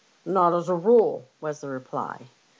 " Not as a rule," was the reply.